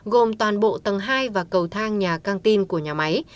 gồm toàn bộ tầng hai và cầu thang nhà căng tin của nhà máy